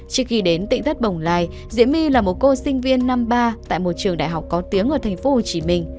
trước khi đến tỉnh thất bồng lai diễm my là một cô sinh viên năm ba tại một trường đại học có tiếng ở tp hcm